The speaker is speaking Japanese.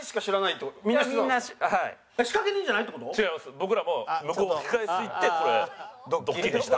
僕らも向こうの控室行ってこれドッキリでした。